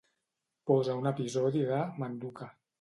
Posa un episodi de "Manduka".